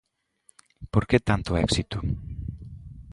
Por que tanto éxito?